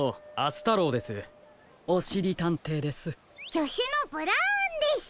じょしゅのブラウンです。